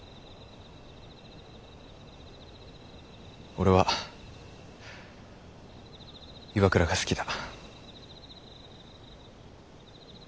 俺は岩倉が好きだ。